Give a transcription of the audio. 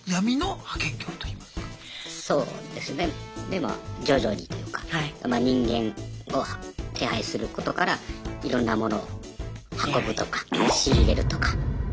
でまあ徐々にというか人間を手配することからいろんなモノを運ぶとか仕入れるとか。